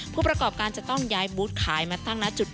ผู้ประกอบการจะต้องย้ายบุฏขายมาตั้งณะจุดนี้